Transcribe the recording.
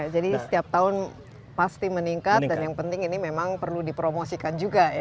jadi setiap tahun pasti meningkat dan yang penting ini memang perlu dipromosikan juga ya